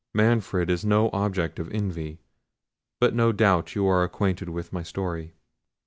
Manfred is no object of envy, but no doubt you are acquainted with my story."